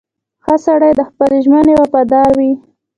• ښه سړی د خپلې ژمنې وفادار وي.